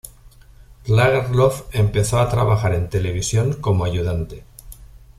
Lagerlöf empezó a trabajar en televisión como ayudante.